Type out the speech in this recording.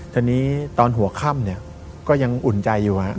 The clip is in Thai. ตอนนี้ตอนหัวค่ำเนี่ยก็ยังอุ่นใจอยู่